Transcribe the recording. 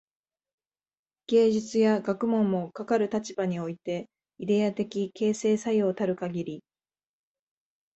芸術や学問も、かかる立場においてイデヤ的形成作用たるかぎり、